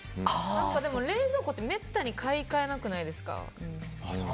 でも冷蔵庫ってめったに買い換えなくないですか。